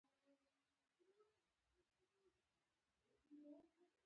د کلا سړک ته ور برابر شو، زما خو دا زړه غواړي.